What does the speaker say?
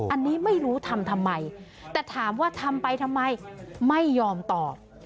อันนี้ไม่รู้ทำทำไมแต่ถามว่าทำไปทำไมไม่ยอมตอบ